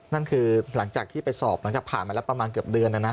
นั่นคือหลังจากที่ไปสอบเหมือนกับผ่านมาแล้วประมาณเกือบเดือนนะนะ